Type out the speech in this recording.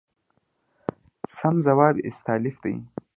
سم ځواب استالف دی.